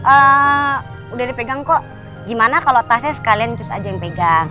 udah dipegang kok gimana kalau tasnya sekalian cus aja yang pegang